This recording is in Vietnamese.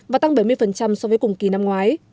và tăng bảy mươi so với cùng kỳ năm ngoái